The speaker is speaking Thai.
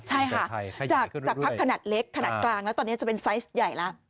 ใช่ค่ะจากพักขนาดเล็กขนาดกลางแล้วตอนนี้จะเป็นไซส์ใหญ่แล้ว